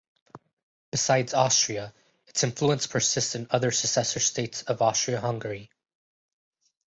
Besides Austria, its influence persists in other successor states of Austria-Hungary.